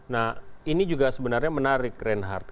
nah ini juga sebenarnya menarik reinhardt